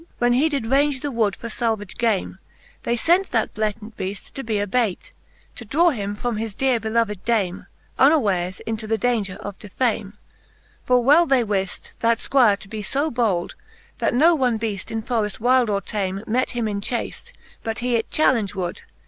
When he did raunge the wood for falvage game, They fent that Blatant Beaft to be a baite, To draw him from hi« deare beloved dame, Unwares into the daunger of defame. For well they wift, that Squire to be fo bold. That no one beaft in forreft wylde or tame Met him in chafe, but he it challenge would.